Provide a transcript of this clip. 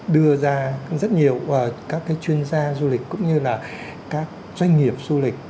đưa ra rất nhiều các chuyên gia du lịch cũng như là các doanh nghiệp du lịch